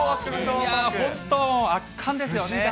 本当、圧巻ですよね。